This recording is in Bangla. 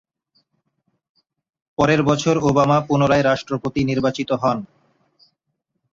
পরের বছর ওবামা পুনরায় রাষ্ট্রপতি নির্বাচিত হন।